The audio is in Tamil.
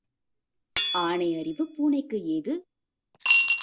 ஆனை அறிவு பூனைக்கு ஏது?